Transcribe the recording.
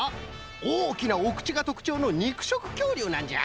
おおきなおくちがとくちょうのにくしょくきょうりゅうなんじゃ。